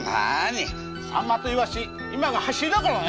サンマとイワシ今ハシリだからね。